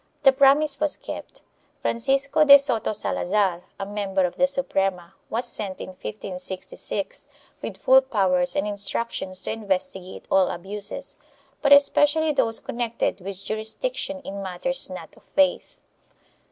2 The promise was kept. Francisco de Soto Salazar, a member of the Suprema, was sent, in 1566, with full powers and instructions to investigate all abuses, but especially those connected with jurisdiction in matters not of faith.